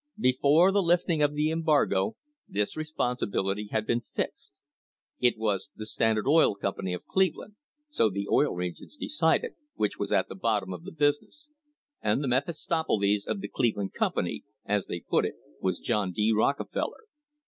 Before the lifting of the embargo this responsibility had been fixed. It was the Standard Oil Company of Cleveland, so the Oil Regions decided, which was at the bottom of the business, and the "Mephistopheles of the Cleveland company," as they put it, was JohoJD. Rockefeller.